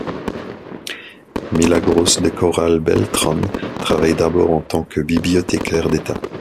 Milagros de Corral Beltrán travaille d'abord en tant que bibliothécaire d'État.